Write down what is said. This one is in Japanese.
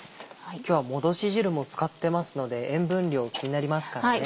今日はもどし汁も使ってますので塩分量気になりますからね。